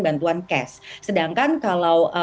bantuan cash sedangkan kalau